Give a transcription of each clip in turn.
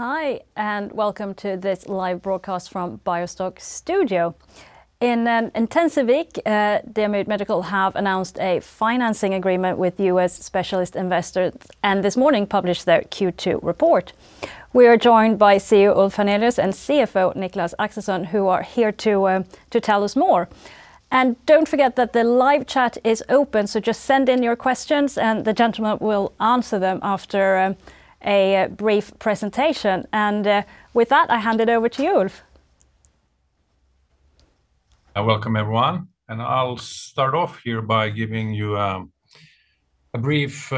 Hi, and welcome to this live broadcast from BioStock Studio. In an intensive week, Diamyd Medical have announced a financing agreement with U.S. specialist investor, and this morning published their Q2 report. We are joined by CEO Ulf Hannelius; and CFO Niklas Axelsson, who are here to tell us more. Don't forget that the live chat is open, so just send in your questions and the gentleman will answer them after a brief presentation. With that, I hand it over to you, Ulf. Welcome everyone, and I'll start off here by giving you a brief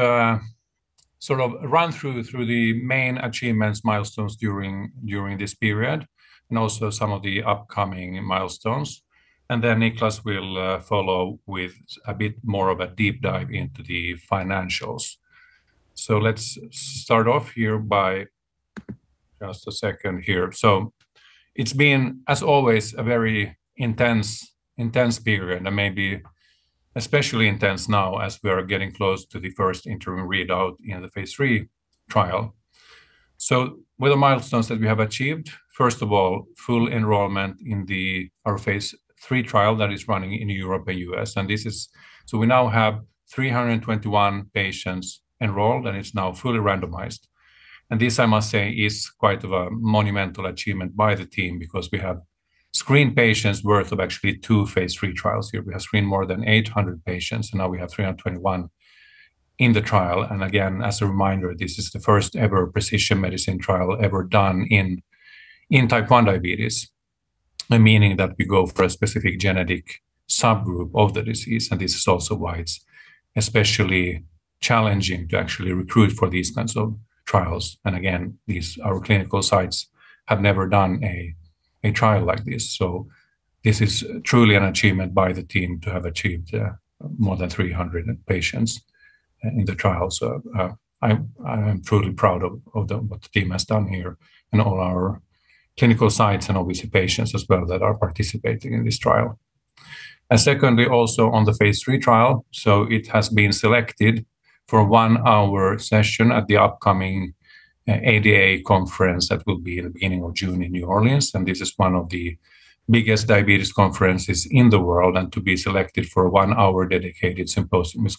sort of run through the main achievements, milestones during this period and also some of the upcoming milestones. Then Niklas will follow with a bit more of a deep dive into the financials. It's been, as always, a very intense period and maybe especially intense now as we are getting close to the first interim readout in the phase III trial. With the milestones that we have achieved, first of all, full enrollment in our phase III trial that is running in Europe and U.S. We now have 321 patients enrolled, and it's now fully randomized. This, I must say, is quite a monumental achievement by the team because we have screened patients worth of actually two phase III trials here. We have screened more than 800 patients, and now we have 321 in the trial. Again, as a reminder, this is the first-ever precision medicine trial ever done in Type 1 diabetes, meaning that we go for a specific genetic subgroup of the disease. This is also why it's especially challenging to actually recruit for these kinds of trials. Again, our clinical sites have never done a trial like this. This is truly an achievement by the team to have achieved more than 300 patients in the trial. I'm truly proud of what the team has done here and all our clinical sites and obviously patients as well that are participating in this trial. Secondly, also on the phase III trial, it has been selected for a one-hour session at the upcoming ADA conference that will be in the beginning of June in New Orleans, and this is one of the biggest diabetes conferences in the world. To be selected for a one-hour dedicated symposium is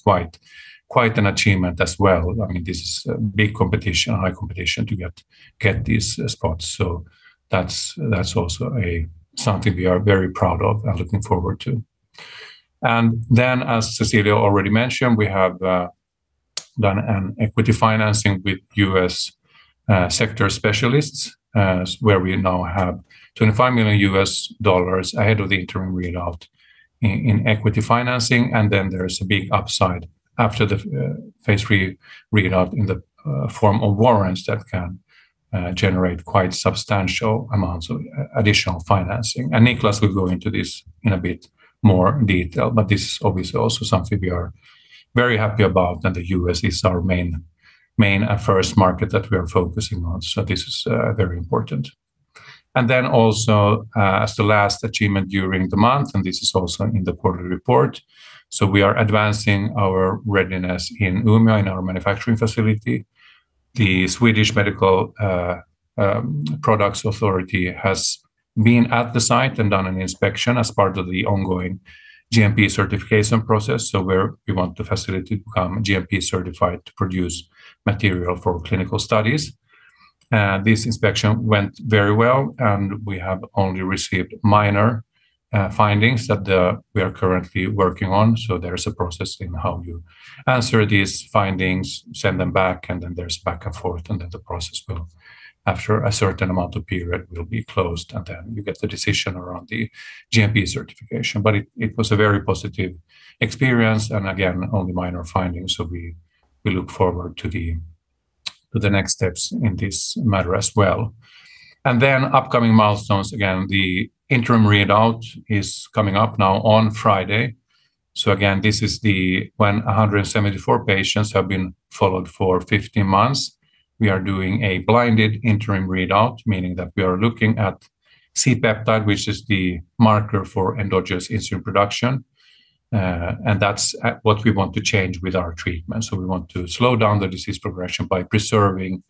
quite an achievement as well. I mean, this is a big competition, high competition to get these spots. That's also something we are very proud of and looking forward to. As Cecilia already mentioned, we have done an equity financing with U.S. sector specialists, where we now have $25 million ahead of the interim readout in equity financing. There's a big upside after the phase III readout in the form of warrants that can generate quite substantial amounts of additional financing. Niklas will go into this in a bit more detail, but this is obviously also something we are very happy about. The U.S. is our main first market that we are focusing on. This is very important. As the last achievement during the month, and this is also in the quarterly report, so we are advancing our readiness in Umeå, in our manufacturing facility. The Swedish Medical Products Authority has been at the site and done an inspection as part of the ongoing GMP certification process. We're want the facility to become GMP certified to produce material for clinical studies. This inspection went very well, and we have only received minor findings that we are currently working on. There is a process in how you answer these findings, send them back, and then there's back and forth, and then the process will, after a certain amount of period, be closed. You get the decision around the GMP certification. It was a very positive experience, and again, only minor findings. We look forward to the next steps in this matter as well. Upcoming milestones, again, the interim readout is coming up now on Friday. Again, this is when 174 patients have been followed for 15 months. We are doing a blinded interim readout, meaning that we are looking at C-peptide, which is the marker for endogenous insulin production, and that's what we want to change with our treatment. We want to slow down the disease progression by preserving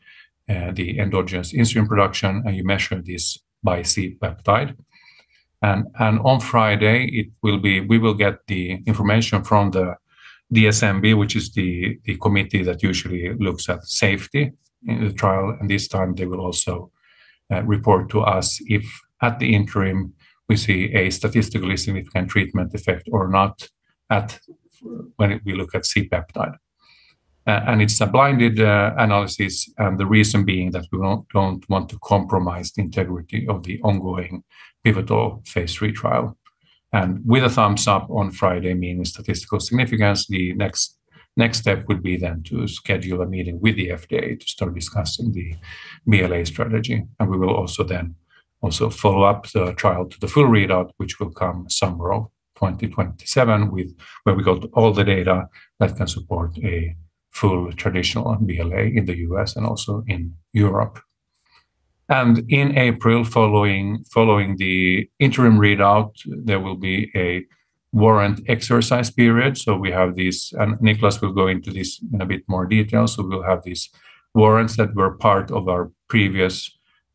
the endogenous insulin production, and you measure this by C-peptide. On Friday we will get the information from the DSMB, which is the committee that usually looks at safety in the trial. This time they will also report to us if at the interim we see a statistically significant treatment effect or not when we look at C-peptide. It's a blinded analysis, and the reason being that we don't want to compromise the integrity of the ongoing pivotal phase III trial. With a thumbs up on Friday, meaning statistical significance, the next step would be then to schedule a meeting with the FDA to start discussing the BLA strategy. We will also then also follow up the trial to the full readout, which will come summer of 2027 with where we got all the data that can support a full traditional BLA in the U.S. and also in Europe. In April following the interim readout, there will be a warrant exercise period. We have these. Niklas will go into this in a bit more detail. We'll have these warrants that were part of our previous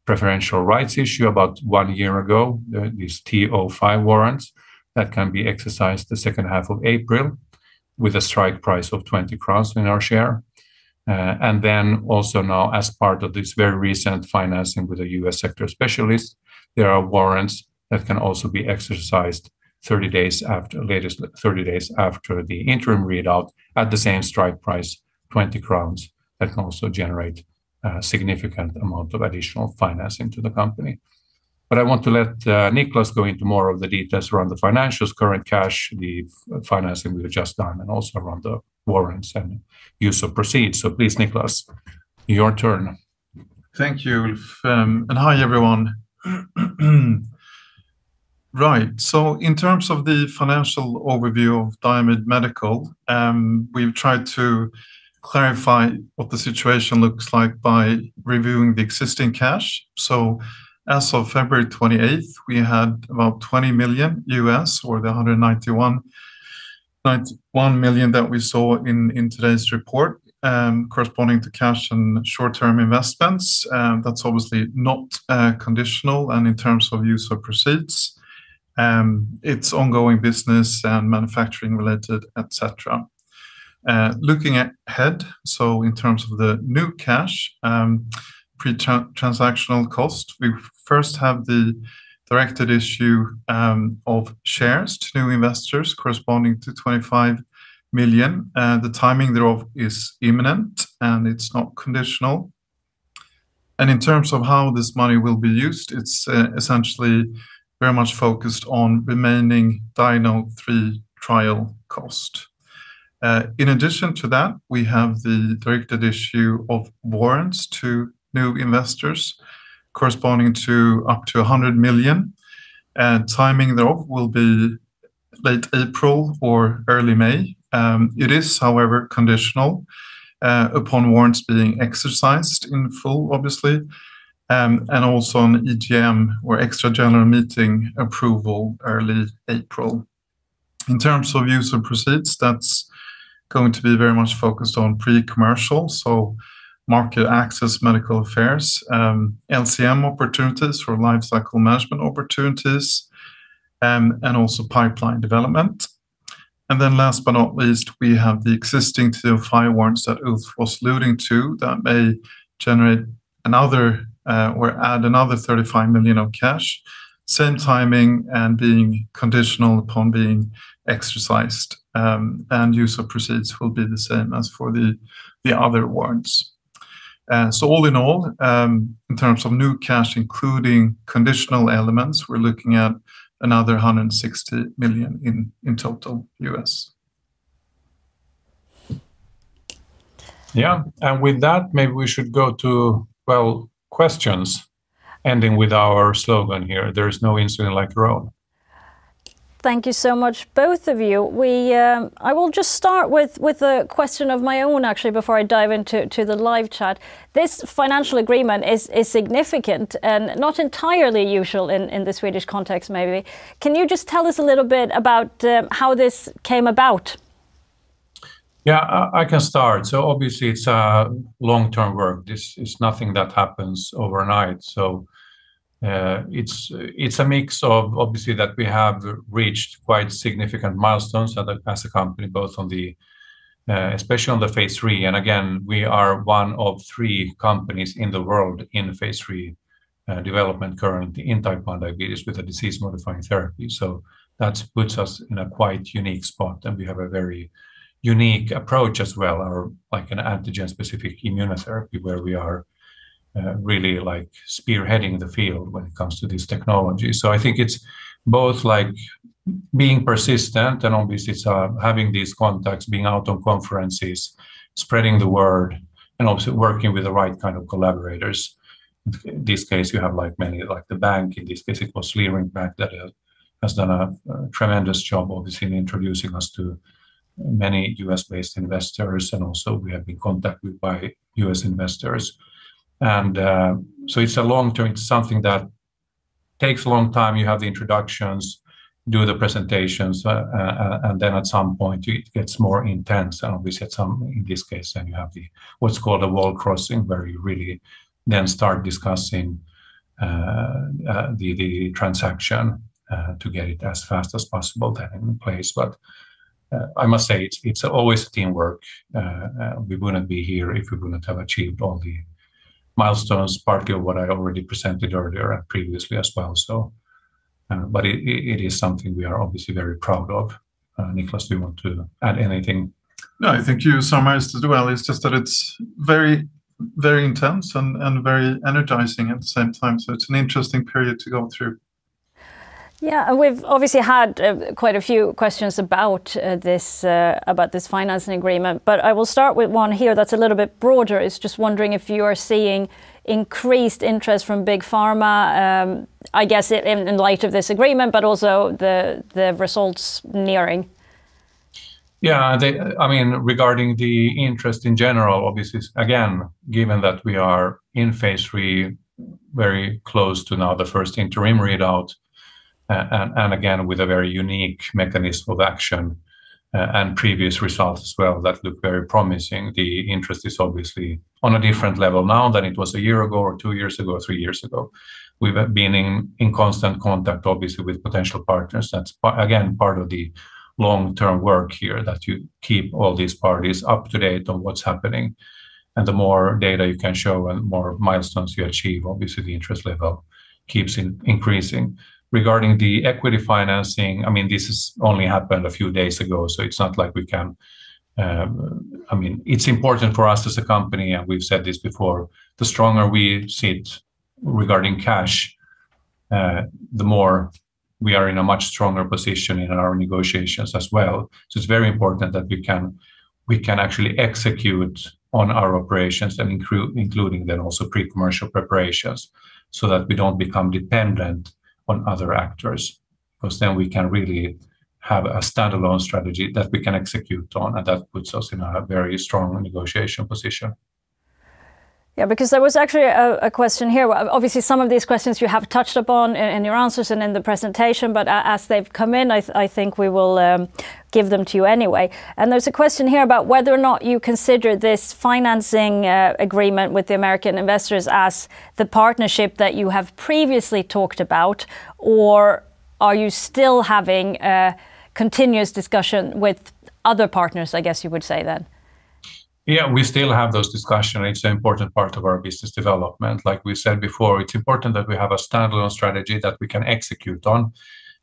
preferential rights issue about one year ago, these TO5 warrants that can be exercised the second half of April with a strike price of 20 crowns in our share. And then also now as part of this very recent financing with a U.S. sector specialist, there are warrants that can also be exercised 30 days after, latest 30 days after the interim readout at the same strike price, 20 crowns, that can also generate a significant amount of additional financing to the company. But I want to let Niklas go into more of the details around the financials, current cash, the financing we have just done, and also around the warrants and use of proceeds. Please, Niklas, your turn. Thank you, Ulf. And hi, everyone. Right. In terms of the financial overview of Diamyd Medical, we've tried to clarify what the situation looks like by reviewing the existing cash. As of February 28th, we had about $20 million, or 191 million that we saw in today's report, corresponding to cash and short-term investments. That's obviously not conditional and in terms of use of proceeds. It's ongoing business and manufacturing related, et cetera. Looking ahead, in terms of the new cash, pre-transactional cost, we first have the directed issue of shares to new investors corresponding to $25 million. The timing thereof is imminent, and it's not conditional. In terms of how this money will be used, it's essentially very much focused on remaining DIAGNODE-3 trial cost. In addition to that, we have the directed issue of warrants to new investors corresponding to up to 100 million. Timing thereof will be late April or early May. It is, however, conditional upon warrants being exercised in full, obviously, and also on EGM, or extra general meeting approval early April. In terms of use of proceeds, that's going to be very much focused on pre-commercial. Market access, medical affairs, LCM opportunities for life cycle management opportunities, and also pipeline development. Last but not least, we have the existing TO5 warrants that Ulf was alluding to that may generate another, or add another 35 million of cash. Same timing and being conditional upon being exercised, and use of proceeds will be the same as for the other warrants. All in all, in terms of new cash, including conditional elements, we're looking at another $160 million in total U.S.. Yeah. With that, maybe we should go to, well, questions ending with our slogan here, "There is no insulin like your own. Thank you so much, both of you. I will just start with a question of my own actually before I dive into the live chat. This financial agreement is significant and not entirely usual in the Swedish context maybe. Can you just tell us a little bit about how this came about? Yeah. I can start. Obviously it's a long-term work. This is nothing that happens overnight. It's a mix of obviously that we have reached quite significant milestones as a company both on the, especially on the phase III. Again, we are one of three companies in the world in phase III development currently in Type 1 diabetes with a disease-modifying therapy. That puts us in a quite unique spot, and we have a very unique approach as well, or like an antigen-specific immunotherapy where we are really like spearheading the field when it comes to this technology. I think it's both like being persistent and obviously it's having these contacts, being out on conferences, spreading the word, and also working with the right kind of collaborators. In this case, you have the bank in this case, it was Swedbank that has done a tremendous job obviously in introducing us to many U.S.-based investors, and also we have been contacted by U.S. investors. It's a long-term. It's something that takes a long time. You have the introductions, do the presentations, and then at some point it gets more intense. Obviously at some, in this case then you have the, what's called a wall crossing, where you really then start discussing the transaction to get it as fast as possible then in place. I must say it's always teamwork. We wouldn't be here if we wouldn't have achieved all the milestones, part of what I already presented earlier and previously as well. It is something we are obviously very proud of. Niklas, do you want to add anything? No, I think you summarized it well. It's just that it's very, very intense and very energizing at the same time. It's an interesting period to go through. Yeah. We've obviously had quite a few questions about this financing agreement. I will start with one here that's a little bit broader, is just wondering if you are seeing increased interest from Big Pharma, I guess in light of this agreement, but also the results nearing I mean, regarding the interest in general, obviously, again, given that we are in phase III, very close to now the first interim readout, and again, with a very unique mechanism of action and previous results as well that look very promising, the interest is obviously on a different level now than it was a year ago, or two years ago, or three years ago. We've been in constant contact obviously with potential partners. That's again, part of the long-term work here that you keep all these parties up to date on what's happening, and the more data you can show and more milestones you achieve, obviously the interest level keeps increasing. Regarding the equity financing, I mean, this has only happened a few days ago, so it's not like we can. I mean, it's important for us as a company, and we've said this before, the stronger we sit regarding cash, the more we are in a much stronger position in our negotiations as well. It's very important that we can actually execute on our operations and including then also pre-commercial preparations, so that we don't become dependent on other actors, 'cause then we can really have a standalone strategy that we can execute on, and that puts us in a very strong negotiation position. Yeah, because there was actually a question here. Well, obviously some of these questions you have touched upon in your answers and in the presentation, but as they've come in, I think we will give them to you anyway. There's a question here about whether or not you consider this financing agreement with the American investors as the partnership that you have previously talked about, or are you still having a continuous discussion with other partners, I guess you would say then? Yeah, we still have those discussions. It's an important part of our business development. Like we said before, it's important that we have a standalone strategy that we can execute on,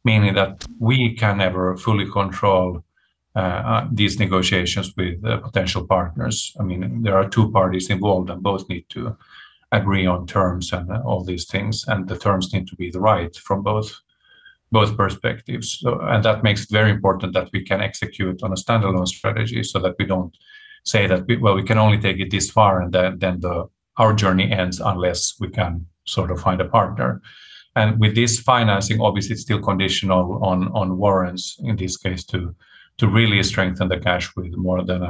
meaning that we can never fully control these negotiations with potential partners. I mean, there are two parties involved, and both need to agree on terms and all these things, and the terms need to be right from both perspectives. That makes it very important that we can execute on a standalone strategy so that we don't say that we can only take it this far, and then our journey ends unless we can sort of find a partner. With this financing, obviously it's still conditional on warrants in this case to really strengthen the cash with more than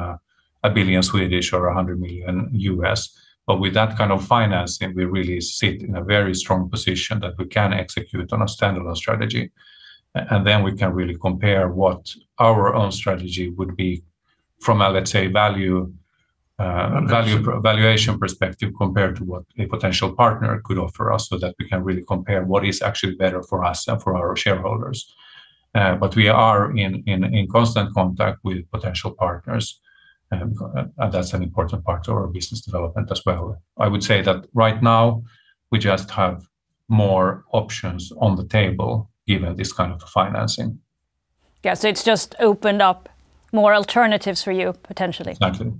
1 billion or $100 million. With that kind of financing, we really sit in a very strong position that we can execute on a standalone strategy, and then we can really compare what our own strategy would be from a, let's say, valuation perspective compared to what a potential partner could offer us so that we can really compare what is actually better for us and for our shareholders. We are in constant contact with potential partners, and that's an important part of our business development as well. I would say that right now we just have more options on the table given this kind of financing. Yeah, it's just opened up more alternatives for you potentially. Exactly.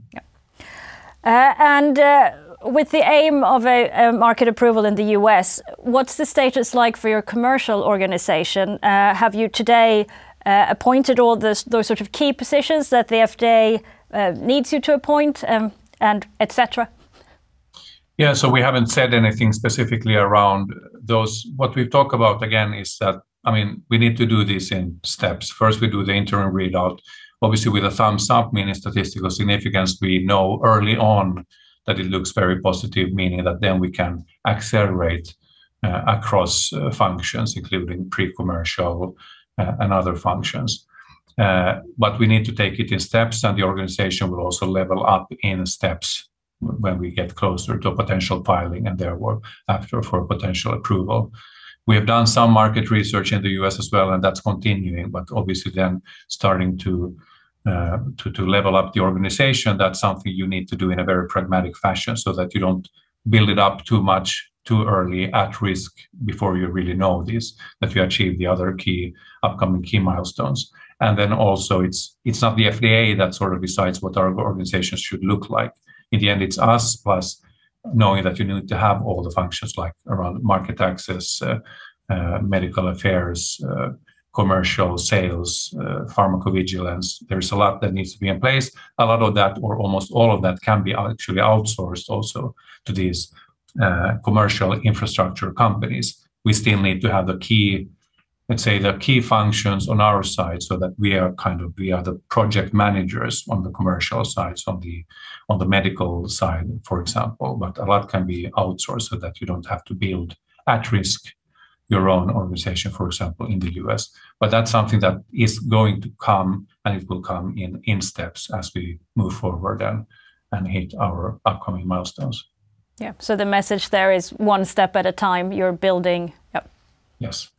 Yeah, with the aim of a market approval in the U.S., what's the status like for your commercial organization? Have you today appointed all those sort of key positions that the FDA needs you to appoint, and et cetera? Yeah, we haven't said anything specifically around those. What we've talked about again is that, I mean, we need to do this in steps. First, we do the interim readout, obviously with a thumbs up, meaning statistical significance. We know early on that it looks very positive, meaning that then we can accelerate across functions, including pre-commercial and other functions. But we need to take it in steps, and the organization will also level up in steps when we get closer to a potential filing and therefore after for potential approval. We have done some market research in the U.S. as well, and that's continuing, but obviously then starting to level up the organization, that's something you need to do in a very pragmatic fashion so that you don't build it up too much too early at risk before you really know this, if you achieve the other key upcoming milestones. It's not the FDA that sort of decides what our organization should look like. In the end, it's us, plus knowing that you need to have all the functions like around market access, medical affairs, commercial sales, pharmacovigilance. There's a lot that needs to be in place. A lot of that or almost all of that can be actually outsourced also to these commercial infrastructure companies. We still need to have the key, let's say, the key functions on our side so that we are kind of the project managers on the commercial sides, on the medical side, for example. A lot can be outsourced so that you don't have to build at risk your own organization, for example, in the U.S. That's something that is going to come, and it will come in steps as we move forward then and hit our upcoming milestones. Yeah. The message there is one step at a time you're building. Yep. Yes.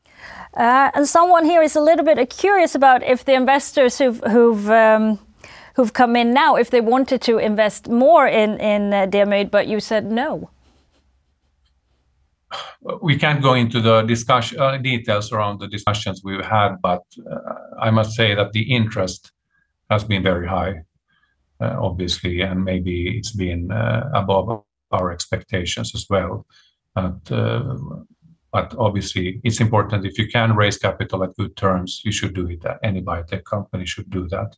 Someone here is a little bit curious about if the investors who've come in now, if they wanted to invest more in Diamyd, but you said no. We can't go into the details around the discussions we've had, but I must say that the interest has been very high, obviously, and maybe it's been above our expectations as well. Obviously it's important if you can raise capital at good terms, you should do it, any biotech company should do that.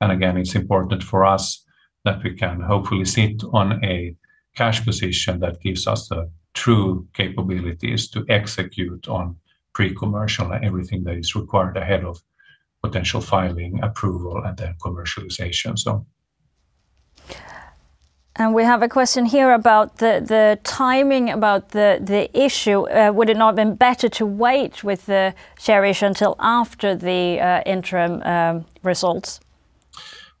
Again, it's important for us that we can hopefully sit on a cash position that gives us the true capabilities to execute on pre-commercial and everything that is required ahead of potential filing approval and then commercialization. We have a question here about the timing about the issue. Would it not have been better to wait with the share issue until after the interim results?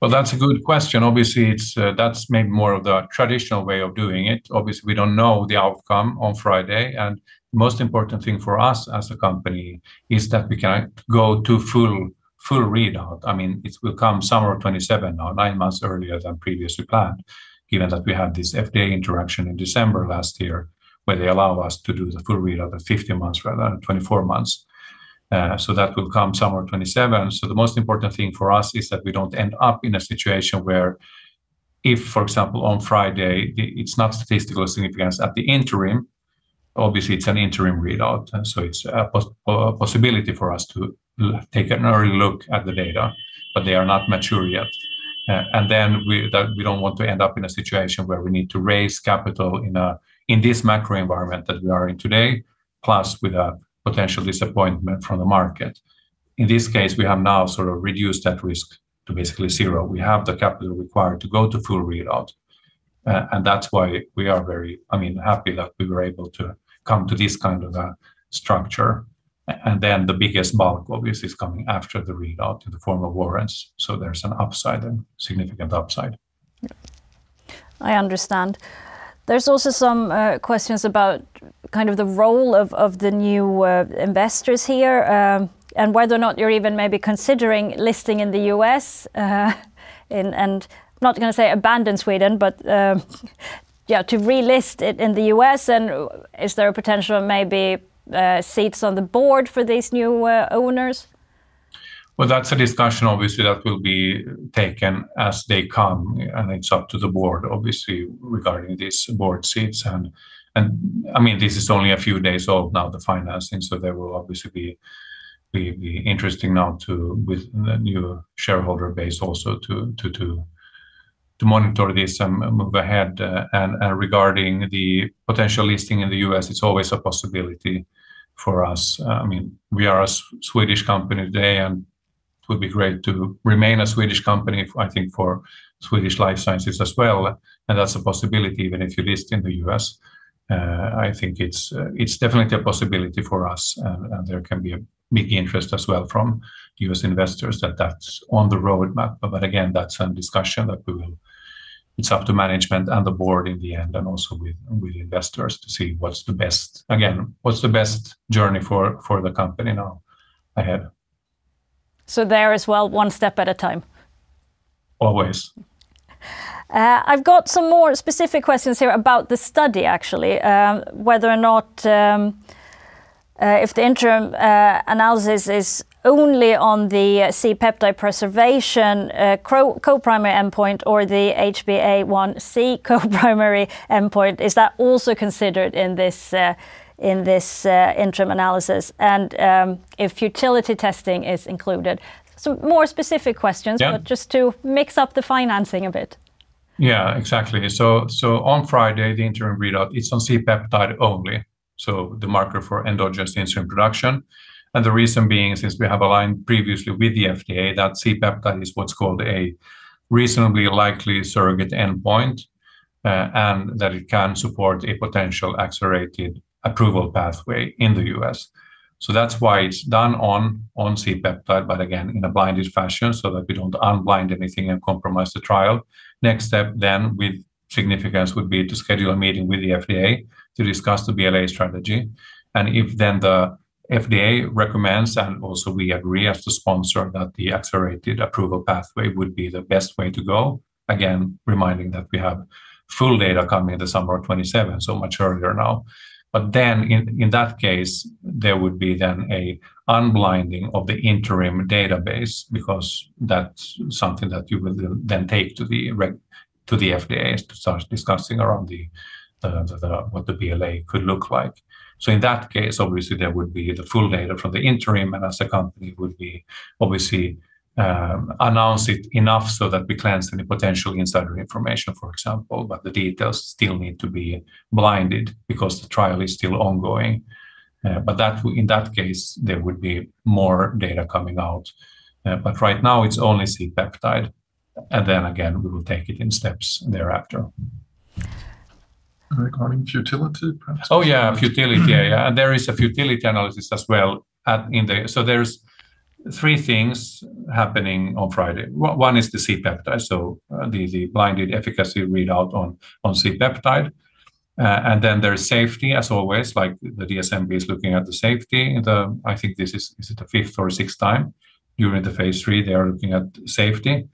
Well, that's a good question. Obviously, it's that's maybe more of the traditional way of doing it. Obviously, we don't know the outcome on Friday, and most important thing for us as a company is that we can go to full readout. I mean, it will come summer of 2027 now, nine months earlier than previously planned, given that we have this FDA interaction in December last year where they allow us to do the full readout at 15 months rather than 24 months. That will come summer of 2027. The most important thing for us is that we don't end up in a situation where if, for example, on Friday, it's not statistical significance at the interim. Obviously it's an interim readout, and so it's a possibility for us to take an early look at the data, but they are not mature yet. We don't want to end up in a situation where we need to raise capital in this macro environment that we are in today, plus with a potential disappointment from the market. In this case, we have now sort of reduced that risk to basically zero. We have the capital required to go to full readout. That's why we are very, I mean, happy that we were able to come to this kind of a structure. The biggest bulk obviously is coming after the readout in the form of warrants. There's an upside and significant upside. Yeah. I understand. There's also some questions about kind of the role of the new investors here, and whether or not you're even maybe considering listing in the U.S., not gonna say abandon Sweden, but yeah, to relist it in the U.S., and is there a potential maybe seats on the board for these new owners? Well, that's a discussion obviously that will be taken as they come, and it's up to the board obviously regarding these board seats. I mean, this is only a few days old now, the financing, so there will obviously be interesting now with the new shareholder base also to monitor this and move ahead. Regarding the potential listing in the U.S., it's always a possibility for us. I mean, we are a Swedish company today, and it would be great to remain a Swedish company, I think, for Swedish life sciences as well, and that's a possibility even if you list in the U.S. I think it's definitely a possibility for us. There can be a big interest as well from U.S. investors, that's on the roadmap. Again, that's a discussion. It's up to management and the board in the end, and also with investors to see what's the best, again, what's the best journey for the company now ahead. There as well, one step at a time. Always. I've got some more specific questions here about the study actually. Whether or not if the interim analysis is only on the C-peptide preservation co-primary endpoint or the HbA1c co-primary endpoint, is that also considered in this interim analysis? If futility testing is included. More specific questions. Yeah Just to mix up the financing a bit. Yeah, exactly. On Friday, the interim readout, it's on C-peptide only, so the marker for endogenous insulin production. The reason being, since we have aligned previously with the FDA, that C-peptide is what's called a reasonably likely surrogate endpoint, and that it can support a potential accelerated approval pathway in the U.S. That's why it's done on C-peptide, but again, in a blinded fashion so that we don't unblind anything and compromise the trial. Next step with significance would be to schedule a meeting with the FDA to discuss the BLA strategy. If then the FDA recommends, and also we agree as the sponsor that the accelerated approval pathway would be the best way to go, again, reminding that we have full data coming in the summer of 2027, so much earlier now. In that case, there would be a unblinding of the interim database because that's something that you will take to the FDA to start discussing what the BLA could look like. In that case, obviously there would be the full data from the interim, and as a company would be obviously announce it enough so that we cleanse any potential insider information, for example, but the details still need to be blinded because the trial is still ongoing. In that case, there would be more data coming out. Right now it's only C-peptide, and then again, we will take it in steps thereafter. Regarding futility perhaps? Oh, yeah. Futility. Yeah. There is a futility analysis as well. There are three things happening on Friday. One is the C-peptide, the blinded efficacy readout on C-peptide. And then there's safety as always, like the DSMB is looking at the safety. I think this is the fifth or sixth time during the phase III they are looking at safety.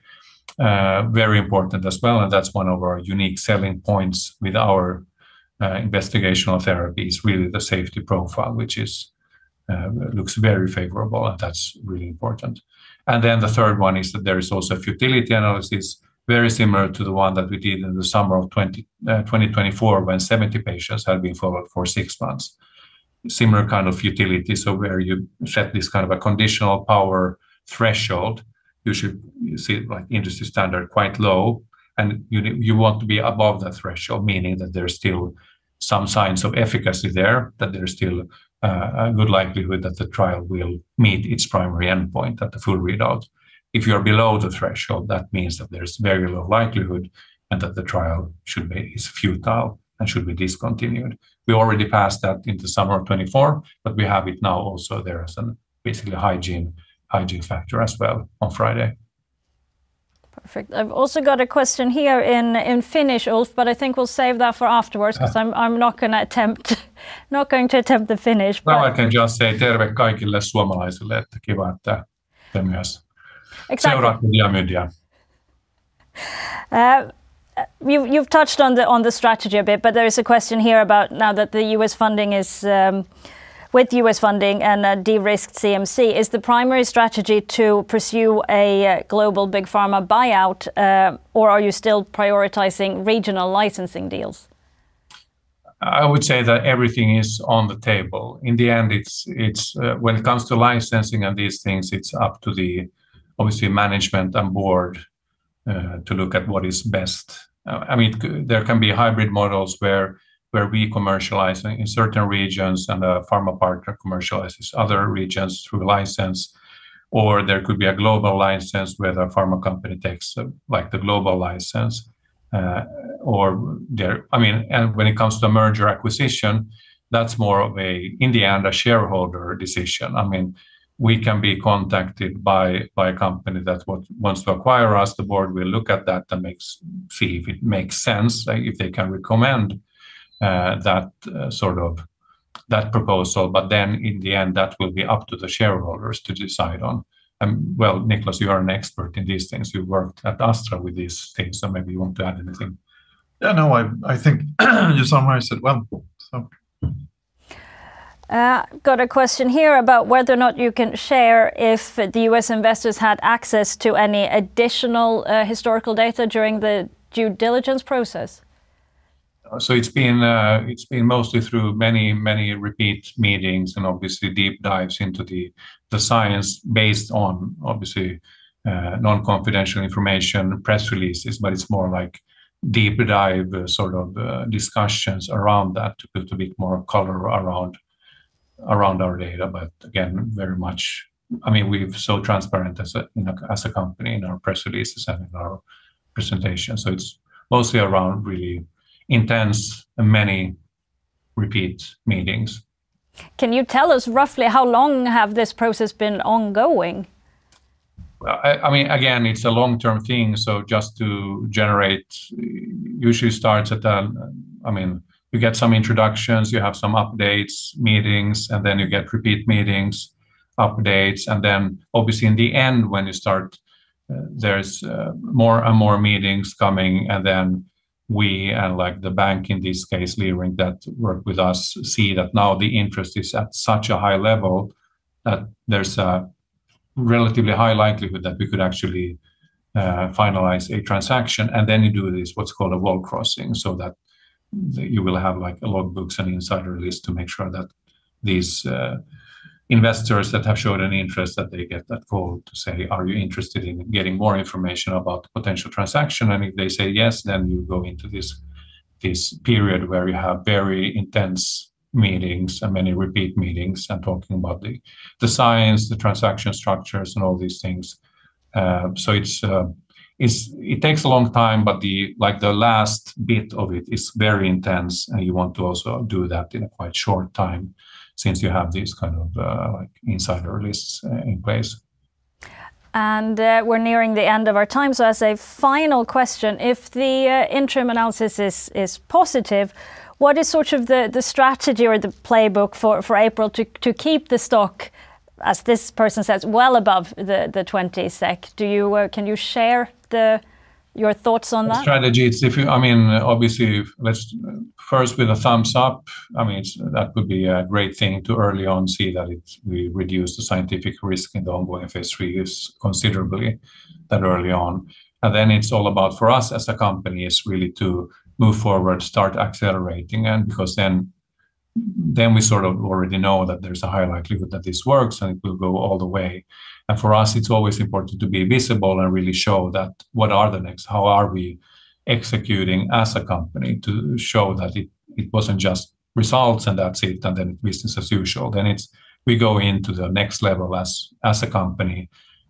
Very important as well, and that's one of our unique selling points with our investigational therapy is really the safety profile, which looks very favorable, and that's really important. Then the third one is that there is also a futility analysis, very similar to the one that we did in the summer of 2024 when 70 patients had been followed for six months. Similar kind of futility, so where you set this kind of a conditional power threshold. You should see it like industry standard, quite low, and you want to be above the threshold, meaning that there's still some signs of efficacy there, that there's still a good likelihood that the trial will meet its primary endpoint at the full readout. If you're below the threshold, that means that there's very low likelihood and that the trial is futile and should be discontinued. We already passed that in summer of 2024, but we have it now also there as a basically hygiene factor as well on Friday. Perfect. I've also got a question here in Finnish, Ulf, but I think we'll save that for afterwards. Yeah. 'Cause I'm not going to attempt the Finnish, but Well, I can just say. Exactly. You've touched on the strategy a bit, but there is a question here about with U.S. funding and a de-risked CMC, is the primary strategy to pursue a global Big Pharma buyout, or are you still prioritizing regional licensing deals? I would say that everything is on the table. In the end, it's when it comes to licensing and these things, it's up to the obviously management and board to look at what is best. I mean, there can be hybrid models where we commercialize in certain regions and the pharma partner commercializes other regions through a license, or there could be a global license where the pharma company takes, like, the global license. When it comes to merger acquisition, that's more of a, in the end, a shareholder decision. I mean, we can be contacted by a company that wants to acquire us. The board will look at that and see if it makes sense, like, if they can recommend that sort of proposal. in the end, that will be up to the shareholders to decide on. Well, Niklas, you are an expert in these things. You've worked at AstraZeneca with these things, so maybe you want to add anything. Yeah, no, I think you summarized it well. Got a question here about whether or not you can share if the U.S. investors had access to any additional historical data during the due diligence process. It's been mostly through many repeat meetings and obviously deep dives into the science based on obviously, non-confidential information, press releases, but it's more like deep dive sort of discussions around that to put a bit more color around our data. Again, very much, I mean, we're so transparent as a, you know, as a company in our press releases and in our presentations, so it's mostly around really intense and many repeat meetings. Can you tell us roughly how long has this process been ongoing? Well, I mean, again, it's a long-term thing. I mean, you get some introductions, you have some updates, meetings, and then you get repeat meetings, updates. Then obviously in the end when you start, there's more and more meetings coming, and then we, like, the bank in this case leading that work with us see that now the interest is at such a high level that there's a relatively high likelihood that we could actually finalize a transaction. Then you do this, what's called a wall crossing so that you will have, like, logbooks and insider lists to make sure that these investors that have shown an interest that they get that call to say, "Are you interested in getting more information about the potential transaction?" If they say yes, then you go into this period where you have very intense meetings and many repeat meetings and talking about the science, the transaction structures and all these things. It takes a long time, but like, the last bit of it is very intense and you want to also do that in a quite short time since you have these kind of like insider lists in place. We're nearing the end of our time, so as a final question, if the interim analysis is positive, what is sort of the strategy or the playbook for April to keep the stock, as this person says, well above the 20 SEK? Do you can you share your thoughts on that? First with a thumbs up. I mean, it's that would be a great thing to early on see that it's we reduce the scientific risk in the ongoing phase III considerably that early on. Then it's all about for us as a company really to move forward, start accelerating. Because then we sort of already know that there's a high likelihood that this works, and it will go all the way. For us, it's always important to be visible and really show that what are the next, how are we executing as a company to show that it wasn't just results and that's it, and then business as usual. It's we go into the next level as a company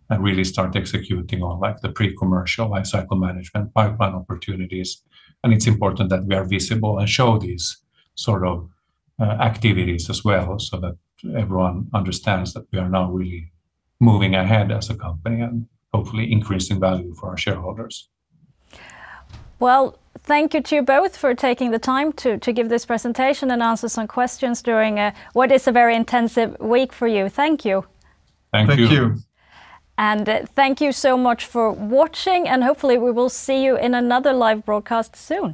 and really start executing on, like, the pre-commercial life cycle management pipeline opportunities. It's important that we are visible and show these sort of activities as well so that everyone understands that we are now really moving ahead as a company and hopefully increasing value for our shareholders. Well, thank you to you both for taking the time to give this presentation and answer some questions during what is a very intensive week for you. Thank you. Thank you. Thank you. Thank you so much for watching, and hopefully we will see you in another live broadcast soon.